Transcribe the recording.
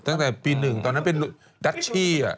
ตั้งแต่ปี๑ตอนนั้นเป็นดัชชี่